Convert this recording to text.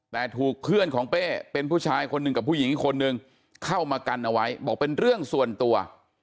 แต่ถูกเพื่อนของเป้เป็นผู้ชายคนหนึ่งกับผู้หญิงอีกคนนึงเข้ามากันเอาไว้บอกเป็นเรื่องส่วนตัว